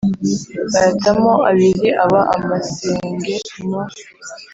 Bayatamo abiri, aba amasenge nu;